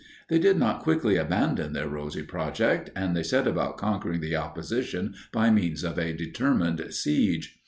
They did not quickly abandon their rosy project and they set about conquering the opposition by means of a determined siege.